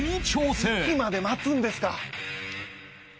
いつまで待つんですか？